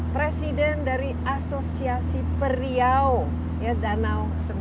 presiden dari asosiasi periau danau seni